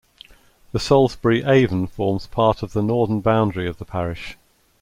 The Salisbury Avon forms part of the northern boundary of the parish.